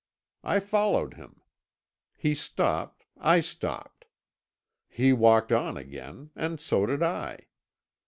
I followed him. He stopped; I stopped; he walked on again, and so did I.